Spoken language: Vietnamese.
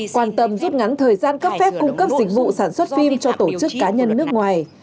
quan tâm rút ngắn thời gian cấp phép cung cấp dịch vụ sản xuất phim cho tổ chức cá nhân nước ngoài